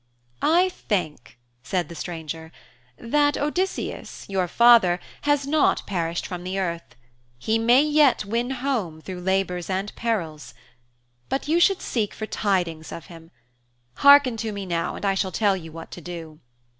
'I think,' said the stranger, 'that Odysseus, your father, has not perished from the earth. He may yet win home through labors and perils. But you should seek for tidings of him. Harken to me now and I shall tell you what to do.